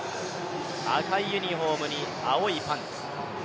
赤いユニフォームに青いパンツ。